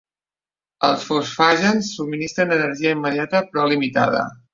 Els fosfàgens subministren energia immediata però limitada.